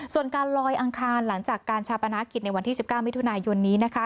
ส่วนการลอยอังคารหลังจากการชาปนากิจในวันที่๑๙มิถุนายนนี้นะคะ